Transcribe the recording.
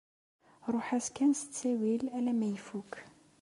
Ṛuḥ-as kan s ttawil alamma ifukk